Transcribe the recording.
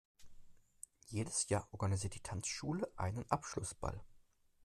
Jedes Jahr organisiert die Tanzschule einen Abschlussball.